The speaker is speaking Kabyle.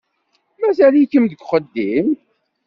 Mazal-ikem deg uxeddim?